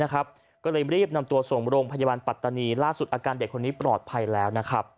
ก็เลยรีบนำตัวส่งโรงพยาบาลปัตตานีล่าสุดอาการเด็กคนนี้ปลอดภัยแล้ว